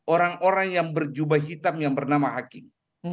orang orang yang berjubah hitam yang bernama hakim